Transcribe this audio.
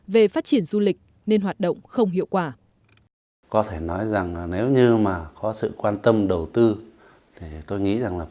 về phát triển du lịch nên hoạt động không hiệu quả